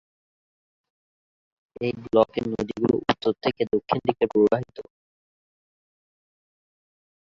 এই ব্লকের নদ-নদীগুলি উত্তর থেকে দক্ষিণ দিকে প্রবাহিত।